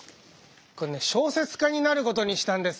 小説家になることにしたんです。